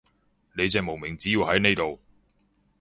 你隻無名指要喺呢度